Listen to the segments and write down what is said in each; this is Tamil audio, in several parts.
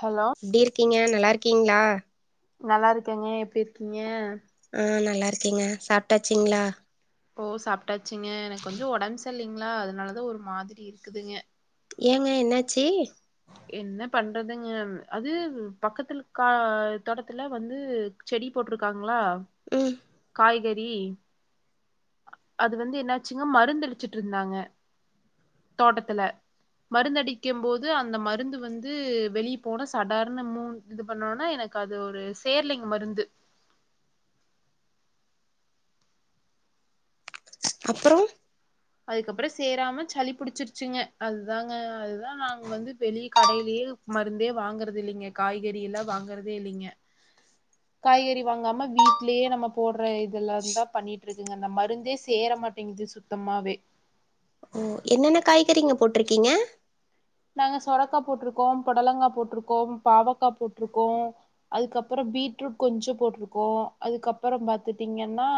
ஹலோ எப்டி இருக்கீங்க நல்லார்க்கீங்ளா நல்லார்க்கேங்க எப்டி இருக்கீங்க ஆ நல்லா இருக்கேங்க சாப்ட்டாச்சிங்ளா ஓ சாப்ட்டாச்சுங்க எனக்கு கொஞ்ச உடம் செர்லிங்ளா அதனாலதா ஒரு மாதிரி இருக்குதுங்க ஏங்க என்னாச்சி என்ன பண்றதுங்க அது பக்கத்துல கா தோட்டத்துல வந்து செடி போட்டிருக்காங்ளா ம் காய்கறி அது வந்து என்னாச்சுங்க மருந் தெளிச்சிட்ருந்தாங்க தோட்டத்துல மருந்தடிக்கும் போது அந்த மரு மருந்து வந்து வெளியி போன சாடார்னு மூ இது பண்ணுவொன்னா எனக்கு அது ஒரு சேர்லிங் மருந்து அப்பறோ அதுக்கப்ற சேராம சளி புடிச்சிருச்சுங்க அது தாங்க அதுதா நாங்க வந்து வெளிய் கடையிலேயே மருந்தே வாங்குறது இல்லீங்க காய்கறி எல்லா வாங்குறதே இல்லீங்க காய்கறி வாங்காம வீட் ட்லேயே நம்ம போடுற இதுலந்தா பண்ணிட்டு இருக்குங்க இந்த மருந்தே சேர மாட்டேங்குது சுத்தமாவே ஓ என்னென்ன காய்கறிங்க போட்டுருக்கீங்க நாங்க சொரக்கா போட்டுருக்கோ புடலங்கா போட்டுருக்கோ பாவக்கா போட்டுருக்கோ அதுக்கப்றோ பீட்ரூட் கொஞ்சோ போட்டுருக்கோ அதுக்கப்றோ பாத்துட்டீங்கன்னா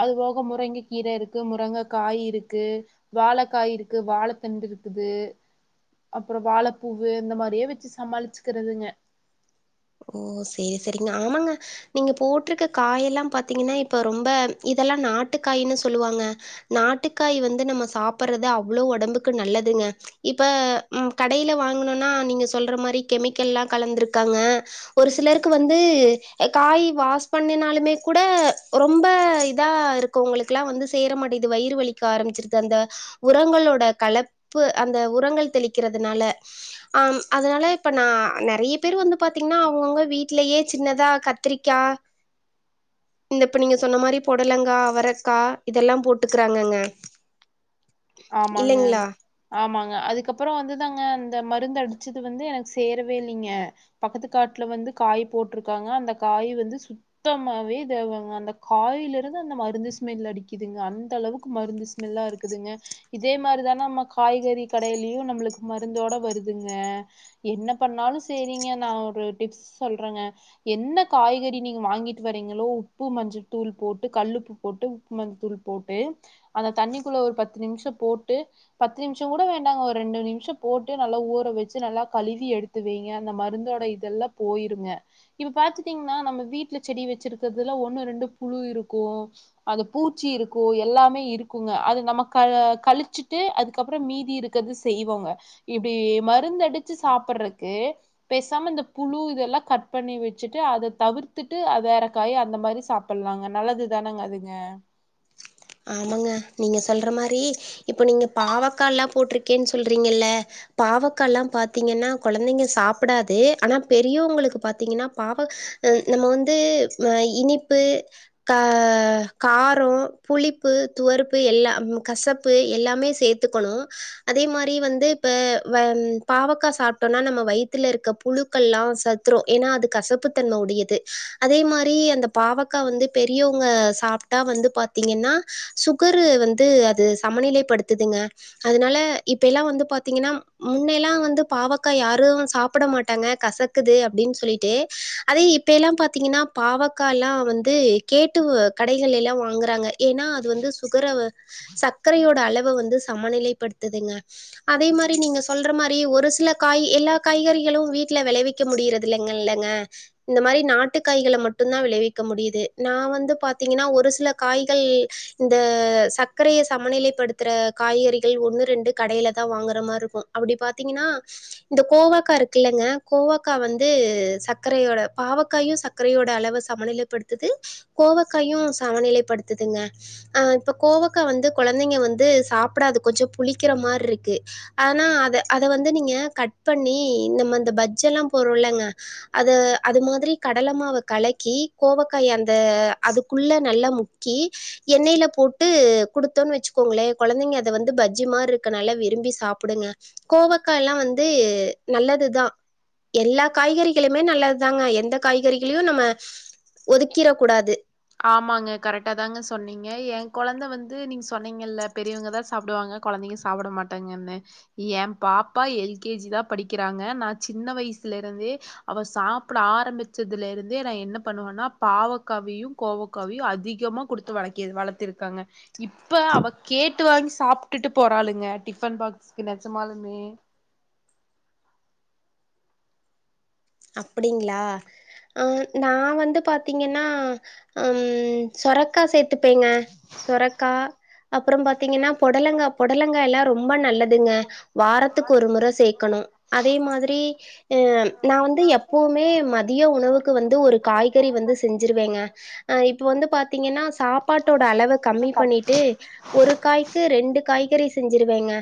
அது போக முருங்க கீர இருக்கு முருங்க காய் இருக்கு வாழக்காய் இருக்கு வாழத்தண்டு இருக்குது. அப்றோ வாழப்பூவு இந்த மாதிரியே வச்சு சமாளிச்சுக்குறதுங்க ஓ சேரி சேரிங்க ஆமாங்க! நீங்க போட்டுருக்க காயெல்லா பாத்தீங்கன்னா இப்ப ரொம்ப இதெல்லா நாட்டு காய்ன்னு சொல்லுவாங்க நாட்டுக்காய் வந்து நம்ம சாப்புர்றது அவ்ளோ ஒடம்புக்கு நல்லதுங்க. இப்ப ம் கடைல வாங்கணும்னா நீங்க சொல்ற மாரி கெமிக்கல்லா கலந்துருக்காங்க ஒரு சிலருக்கு வந்து எ காய் வாஷ் பண்ணினாலுமே குட ரொம்ப இதா இர் கொங்களுக்கெல்லா வந்து சேர மாட்டிது வயிறு வலிக்க ஆரம்பிச்சிர்து அந்த உரங்களோட கலப்பு அந்த உரங்கள் தெளிக்கிறதுனால ஆம் அதனால இப்ப நா நெறைய பேரு வந்து பாத் பாத்தீங்கன்னா அவங்கவுங்க வீட்லயே சின்னதா கத்ரிக்கா இந்த இப்ப நீங்க சொன்ன மாரி புடலங்கா அவரக்கா இதெல்லா போட்டுக்கறாங்கங்க ஆமாங்க ஆமாங்க அதுக்கப்பறோ வந்துதாங்க அந்த மருந்து அடிச்சது வந்து எனக்கு சேரவே இல்லீங்க. பக்கத்து காட்டுல வந்து காய் போட்டுருக்காங்க அந்த காய் வந்து சுத் தமாவே தேவெங்க அந்த காயில இருந்து அந்த மருந்து ஸ்மெல் அடிக்குதுங்க அந்த அளவுக்கு மருந்து ஸ் மெல்லா இருக்குதுங்க. இதே மாரிதான அம்ம காய்கறி கடையிலயு நம்ளுக்கு மருந்தோட வருதுங்க. என்ன பண்ணாலு சேரிங்க நா ஒரு டிப்ஸ் சொல்றேங்க என்ன காய்கறி நீங்க வாங்கிட்டு வர்றீங்களோ உப்பு மஞ்ச தூள் போட்டு கல்லுப் போட்டு உப்புமஞ் தூள் போட்டு அந்த தண்ணிக்குள்ள ஒரு பத்து நிமிஷோ போட்டு பத்து நிமிஷோ கூட வேண்டாங்க ஒரு ரெண்டு நிமிஷோ போட்டு நல்லா ஊற வெச்சு நல்லா கழுவி எடுத் த்து வெய்ங்க அந்த மருந்தோட இதெல்லா போயிருங்க இப்ப பாத்ட்டீங்ன்னா நம்ம வீட்டுல செடி வெச்சுர்கறது ஒண்ணு ரெண்டு புழு இருக்கு அது பூச்சி இருக்கு எல்லாமே இருக்குங்க அது நமக் கழ்இ கழிச்சுட்டு அதுக்கப்புறோ மீதி இருக்குறது செய்வோங்க இப்டி மருந்த அடிச்சு சாப்புர்றத்க்கு பேசாம இந்த புழு இதெல்லா கட் பண்ணி வச்சுட்டு அத தவிர்த்துட்டு வேற காய் அந்த மாதிரி சாப் பண்வாங்க நல்லது தானேங்க அதுங்க ஆமாங்க நீங்க சொல்ற மாரி இப்போ நீங்க பாவக்கால்லா போட்ருக்கேன்னு சொல்றீங்கல்ல பாவக்க எல்லா பாத்தீங்கன்னா கொழந்தைங்க சாப்டாது ஆனா பெரியவங்களுக்கு பாத்தீங்கன்னா பாவக் நம்ம வந்து ம இனிப்பு கா காரோ புளிப்பு துவர்ப்பு எல்லா கசப்பு எல்லாமே சேத்துக்கணு அதே மாரி வந்து இப்ப வெ பாவக்கா சாப்ட்டோம்னா நம்ம வயித்லருக்க புழு கல்லா செத்துரு ஏன்னா அது கசப்புத்தன்ம உடையது அதே மாரி அந்த பாவக் கா வந்து பெரியவ்ங்க சாப்ட்டா வந்து பாத் தீங்கன்னா சுகரு வந்து அது சமநிலை படுத்துதுங்க அத்னால இப்ப எல்லா வந்து பாத்தீங்ன்னா முன்னையல்லாம் வந்து பாவக்கா யாரும் சாப்பிட மாட்டாங்க கசக்குது அப்டின்னு சொல்லிட்டு அதே இப் போல்லா பாத்தீங்கன்னா பாவக்கால்லா வந்து கேட்டு கடைகலெல்லா வாங்குறாங்க ஏன்னா அது வந்து சுகர சர்க்கரையோட அளவ வந்து சமநிலைப்படுத்துதுங்க அதே மாரி நீங்க சொல்ற மாரி ஒரு சில காய் எல்லா காய்கறிகளும் வீட்டுல விளைவிக்க வைக்க முடியறது இல்லங் இல்லங்க இந்த மாரி நாட்டுகாய்கள மட்டுந்தா விளைவிக்க முடியுது நா வந்து பாத்தீங்கன்னா ஒரு சில காய் கல் இந்த சக்கரைய சமநிலைப்படுத்துற காய்கறிகள் ஒன்னு ரெண்டு கடைல தா வாங்குற மாரி இருக்கும் அப்டி பாத்தீங்கன்னா இந்த கோவக்கா இருக்குல்லங்க கோவக்கா வந்து சக்கரையோட பாவக்காயும் சக் க்கரையோட அளவ சமநிலைப்படுத்துது கோவக்காயும் சமநிலைப்படுத்துதுங்க ஆ இப்ப கோவக்கா வந்து கொழந்தைங்க வந்து சாப்பிடாது கொஞ்ச புளிக்கிற மாரி இருக்கு அதனா அத அத வந்து நீங்க கட் பண்ணி நம்ம இந்த பஜ்ஜி எல்லாம் போற்றோ இல்லங்க அது அது மாதிரி கடலமாவ கலக்கி கோவக்காய அந்த அதுக்குள்ள நல்லா முக் க்கி எண்ணெயில போட்டு குடுத்தோன்னு வச்சுக்கோங்களே கொழந்தைங்க அத வந்து பஜ்ஜு மார் இருக்குன் நல்லா விரும்பி சாப்பிடுங்க கோவக்காயல்லா வந்து நல்லதுதா எல்லா காய்கறிகளுமே நல்லதுதாங்க எந்த காய்கறிகளையு நம்ம ஒதுக்கிற கூடாது ஆமாங்க கரெக்டா தாங்க சொன்னீங்க ஏ கொழந்த வந்து நீங்க சொன்னீங்கல்ல பெரியவங்கதா சாப்டுவாங்க கொழந்தைங்க சாப்பிட மாட்டாங்கன்னு ஏ பாப்பா எல் கே ஜி தா படிக்கிறாங்க நா சின்ன வயசுல இருந்தே அவ சாப்பிட ஆரம்பிச்சதுல இருந்தே நா என்ன பண்ணுவன்னா பாவக்காவியும் கோவக்காவியு அதிகமா குடுத்து வளக்கி வளத்திருக்கங்க இப்ப அவ கேட்டு வாங்கி சாப்ட்டுட்டு போறாளுங்க டிஃபன் பாக்ஸ்க்கு நெஜமாலுமே அப்டிங்களா அ நா வந்து பாத்தீங்கன்னா ம் சொரக்கா சேத் துப்பேங்க சொரக்கா அப்பறோ பாத்தீங்கன்னா பொடலங்கா பொடல லங்கா எல்லா ரொம்ப நல்லதுங்க வாரத்துக்கு ஒரு முற சேக்கணும் அதே மாதிரி ஆ நா வந்து எப்பவுமே மதிய உணவுக்கு வந்து ஒரு காய்கறி வந்து செஞ்சுருவேங்க அ இப்ப வந்து பாத்தீங்கன்னா சாப்பாட்டோட அளவ கம்மி பண்ணிட்டு ஒரு காய்க்கு ரெண்டு காய்கறி செஞ்சுருவேங்க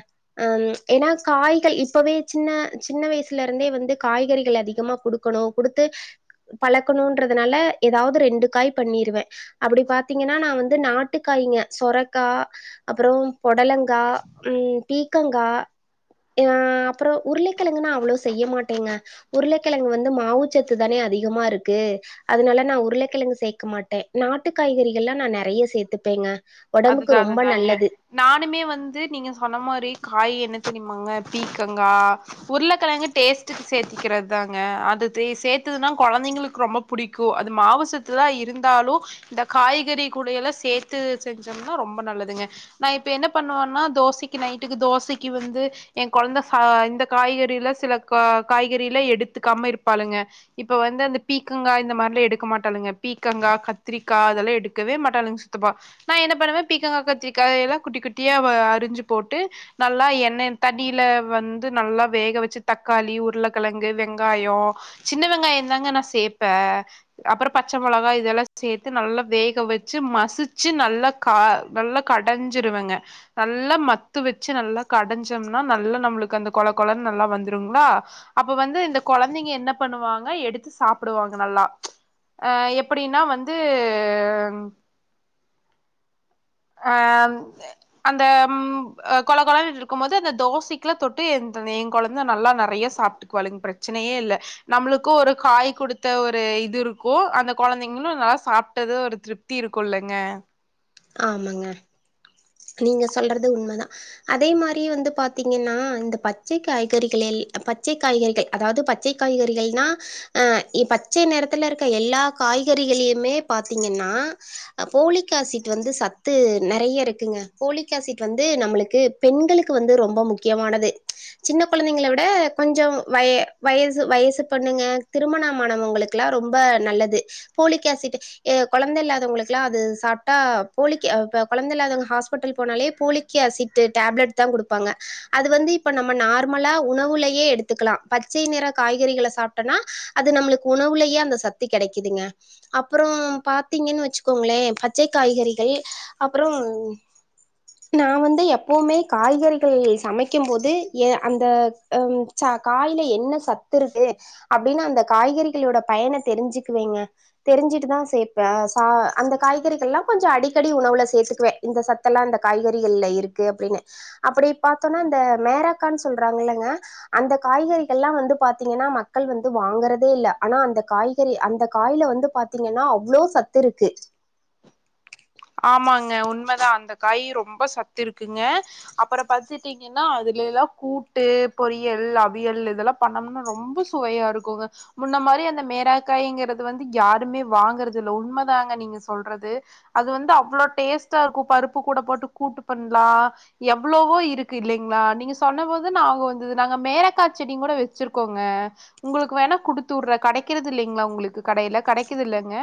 ம் ஏன்னா காய்கள் இப்பவே சின்ன சின்ன வயசுல இருந்தே வந்து காய்கறி கள் அதிகமா குடுக்கணும் குடுத்து பழக்கணுன்றதுனால ஏதாவது ரெண்டு காய் பண்ணிருவே அப்டி பாத்தீங்கன்னா நா வந்து நாட்டுக்காய்ங்க சொரக்கா அப்பறோ பொடலங்கா ம் பீக்கங்கா ஆ அப்பறோ உருளைக்கிழங்கு நா அவ்வளோ செய்ய மாட்டேங்க உருளக்கெழங்கு வந்து மாவுச்சத்து தானே அதிகமா இருக்கு அதனால நா உருளைக்கிழங்கு சேக்க மாட்டே நாட்டு காய்கறிகல்லா நா நெறைய சேத்துப்பேங்க அதுதா ஒடம்புக்கு ரொம்ப அதுதாங்க நல்லது நானுமே வந்து நீங்க சொன்ன மாரி காய் என்ன தெரியுமாங்க பீக்கங்கா உருளக்கெழங்க டேஸ்ட்டுக்கு சேத்திக்கிறது தாங்க அது சேத்ததுன்னா கொழந்தைங்களுக்கு ரொம்ப புடிக்கும் அது மாவுசத்து தா இருந்தாலும் இந்த காய்கறி கூடெல்லா சேத்து செஞ்சம்ன்னா ரொம்ப நல்லதுங்க நா இப்ப என்ன பண்ணுவன்னா தோசைக்கு நைட்டுக்கு தோசைக்கு வந்து எ கொழந்த ச இந்த காய்கறில சில கா காய்கறில எடுத்துக்காம இருப்பாளுங்க இப்ப வந்து அந்த பீக்கங்கா இந்த மாதிரிலா எடுக்க மாட்டாங்க பீக்கங்கா கத்திரிக்கா அதெல்லா எடுக்கவே மாட்டாளுங்க ப்ப நா என்ன பண்ணுவே பீக்கங்கா கத்திக்கா எல்லா குட்டி குட்டியா அறிஞ்சு போட்டு நல்லா எண்ணெ தண்ணில வந்து நல்லா வேக வச்சு தக்காளி உருளக்கெழங்கு வெங்காயோ சின்ன வெங்காயம்ந்தாங்க நா சேப்பே அப்புறோ பச்ச மிளகா இதெல்லா சேத்து நல்லா வேக வச்சு மசிச்சு நல் நல்லா நல்லா கடஞ்சிருவங்க நல்லா மத்து வச்சு நல்லா கடஞ்சோம்னா நல்லா நம்மளுக்கு அந்த கொழ கொழனு நல்லா வந்துருங்களா அப்ப வந்து இந்த கொழந்தைங்க என்ன பண்ணுவாங்க எடுத்து சாப்பிடுவாங்க நல்லா அ எப்டின்னா வந்து அ அந்த ம் கொழ கொழனு இருக்கு போது அந்த தோசைக்குலா தொட்டு என் குழந்த நல்லா நறையா சாப் க்குழுவாங் பிரச்சனையே இல்ல நம்மளுக்கு ஒரு காய் கொடுத்த ஒரு இது இருக்கு அந்த கொழந்தைங்களு நல்ல சாப்ட்டது ஒரு திருப் தி இருக்குள்ளங்க ஆமாங்க நீங்க சொல்றது உண்மதா அதே மாரி வந்து பாரத்தீங்கன்னா இந்த பச்சை காய்கறிகள் எல் பச்சை காய்கறிகள் அதாவது பச்சை காய்கறிகள்னா அ பச்சை நேரத்துல இருக்க எல்லா காய்கறிகளையுமே பாத்தீங்கன்னா அ போலிக்ஆசிட் வந்து சத்து நறைய இருக்குங்க ஃபோலிக்அசிட் வந்து நம்மளுக்கு பெண்களுக்கு வந்து ரொம்ப முக் முக்கியமானது சின்ன குழந்தைங்கள விட கொஞ்சம் வய வயசு வயசு பொண்ணுங்க திருமணமானவங்களுக்கு க்குலா ரொம்ப நல்லது போலிக்அசிட் கொழந்தை இல்லாதவங்களுக்குல்லா அது சாப் ட போலிக்கு கொழந்த இல்லாதவங்க ஹாஸ்பிட்டல் போனாலே ஃபோலிக்கு அசிட்டு டேப்லெட் த்தா குடுப்பாங்க அது வந்து இப்ப நம்ம நார்மலா உணவுலயே எடுத்துக்கலா பச்சை நிற காய்கறிகள சாப் னா அது நம்மளுக்கு உணவுலயே அந்த சத்து கெடைக்குதுங்க அப்புறோ பாத்தீங்கன்னு வச்சுக்கோங்களே பச்சை காய்கறிகள் அப்புறோ நா வந்து எப்பவுமே காய்கறிகள் சமைக்கு போது ஏ அந்த அம் ச காய்ல என்ன சத்துருக்கு அப்டின்னு அந்த காய்கறிகளோட பயன தெரிஞ்சுக்குவேங்க தெரிஞ்சிட்டு தா சேப்பே ச அந்த காய்கறி எல்லா கொஞ்சம் அடிக்கடி உணவுல சே்த்தக்குவே இந்த சத்தெல்லா இந்த காய்கறிகள்ல இருக்கு அப்டின்னு அப்படி பாரத்தோம்னா இந்த மேராக்கான்னு சொல்றாங்க இல்லங்க அந்த காய்கறிகல்லா வந்து பாத்தீங்கன்னா மக்கள் வந்து வாங்கறதே இல்ல ஆனா அந்த காய்கறி அந்த காய்ல வந்து பாத்தீங்கன்னா அவ்ளோ சத்து இருக்கு ஆமாங்க உண்மதா அந்த காய் ரொம்ப சத்து இருக்குங்க அப்பறோ பாத்துட்டீங்கன்னா அதுலேல்லா கூட்டு பொரியல் அவியல் இதெல்லா பண்ணம்னா ரொம்ப சுவையா இருக்குங்க முன்ன மாரி அந்த மேரக்காய்ங்கிறது வந்து யாருமே வாங்குறது இல்ல உண்மதாங்க நீங்க சொல்றது அது வந்து அவ்ளோ டேஸ்ட்டா இருக்கு பருப்பு கூட போட்டு கூட்டு பண்லா எவ்ளவோ இருக்கு இல்லைங்களா நீங்க சொன்னபோது ஞாபோ வந்தது நாங்க மேலக்கா செடி கூட வச்சிருக்கோங்க உங்களுக்கு வேணா குடுத்து வுடுற கடைக்கறது இல்லைங்களா உங்களுக்கு கடையில கடைக்குது இல்லங்க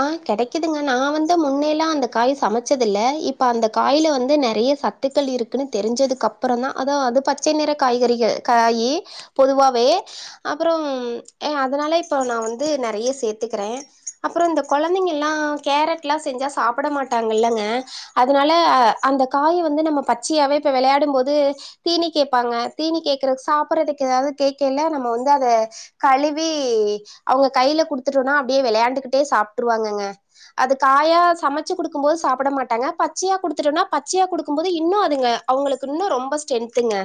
ஆ கிடைக்குதுங்க நா வந்து முன்னேல்லா அந்த காய் சமைச்சது இல்ல இப்ப அந்த காயில வந்து நிறைய சத் கத்துக்கள் இருக்குன்னு தெரிஞ்சதுக்கப்புறதா அதா அது பச்சை நிற காய்கறிகள் காயி பொதுவாவே அப்புறோ அதனால இப்ப நா வந்து நறைய சேத்துக்கறே அப்றோ இந்த கொழந்தைங்கல்லா கேரட்லா செஞ்சா சாப்ட மாட்டாங்கல்லங்க அதனால அ அந்த காய வந்து நம்ம பச்சையாவே இப்ப வெளயாடும் போது தீனி கேப்பாங்க தீனி கேக்குறக்கு சாப்றதுக்கு ஏதாவது கேக்கேல நம்ம வந்து அத கழுவி அவுங்க கையில குடுத்துட்டோனா அப்டியே வெளயாண்டுகிட்டே சாப்ட்டுருவாங்கங்க அது காயா சமச்சு குடுக்கும் போது சாப்ட மாட்டாங்க பச்சையா குடுத்துட்டோம்னா பச்சையா குடுக்கும் போது இன்னு அதுங்க அவுங்களுக்கு இன்னு ரொம்ப ஸ்ட்ரென்த்துங்க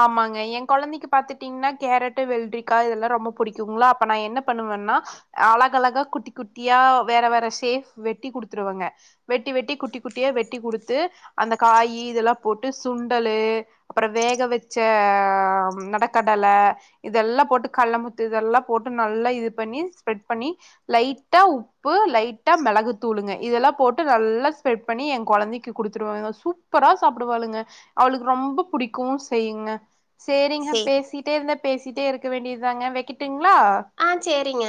ஆமாங்க எ கொழந்தைக்கு பாத்துகிட் ன்னா கேரட்டு வெல்ரிக்கா இதெல்லா ரொம்ப புடிக்குங்ளா அப்ப நா என்ன பண்ணுவேன்னா அழக அழகா குட்டி குட்டியா வேற வேற ஷேஃப் வெட்டி குடுத்துருவங்க வெட்டி வெட்டி குட்டி குட்டியா வெட்டி குடுத்து அந்த காயி இதெல்லா போட்டு சுண்டலு அப்புற வேக வெச்ச நெடக்கடல இதெல்லா போட்டு கல்லமுத்து இதெல்லா போட்டு நல்லா இது பண்ணி ஸ்ப்ரெட் பண்ணி லைட்டா உப் உப்பு லைட்டா மெளகு தூளுங்க இதெல்லா போட்டு நல்லா ஸ்ப்ரெட் பண்ணி எ கொழந்தைக்கு குடுத்துருவங்க சு ப்பரா சாப்டுவாளுங்க அவளுக்கு ரொம்ப பிடிக்கு செய்யுங்க சேரிங்க சேரி பேசிட்டே இருந்தே பேசிட்டே இருக்க வேண்டியது தாங்க வெக்கட்டுங்ளா ஆ சேரிங்க